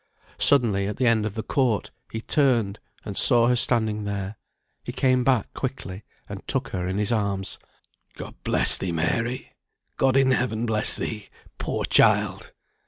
Suddenly, at the end of the court, he turned, and saw her standing there; he came back quickly, and took her in his arms. "God bless thee, Mary! God in heaven bless thee, poor child!"